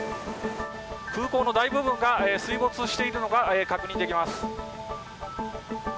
空港の大部分が水没しているのが確認できます。